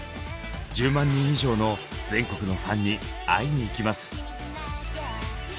１０万人以上の全国のファンに会いに行きます！